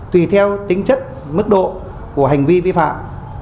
tùy theo tính chất mức độ của hành vi vi phạm